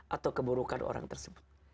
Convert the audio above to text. atau keburukan orang tersebut